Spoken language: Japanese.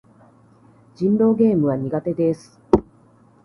人狼ゲームは苦手です。